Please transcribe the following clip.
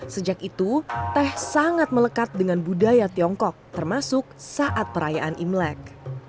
sejak itu teh sangat melekat dengan budaya tiongkok termasuk saat perayaan imlek